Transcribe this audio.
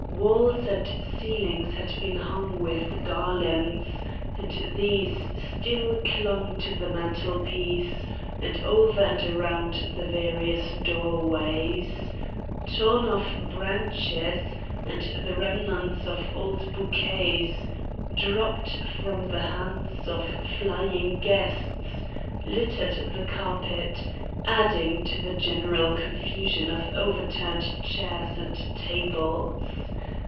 Walls and ceilings had been hung with garlands, and these still clung to the mantelpiece and over and around the various doorways. Torn off branches and the remnants of old bouquets, dropped from the hands of flying guests, littered the carpet, adding to the general confusion of overturned chairs and tables.